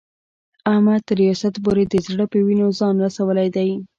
احمد تر ریاست پورې د زړه په وینو ځان رسولی دی.